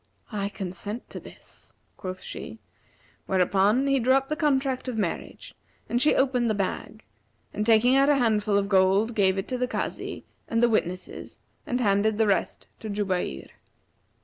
'I consent to this,' quoth she, whereupon he drew up the contract of marriage and she opened the bag; and, taking out a handful of gold, gave it to the Kazi and the witnesses and handed the rest to Jubayr.